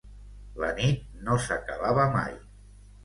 La nit no s'acabava mai.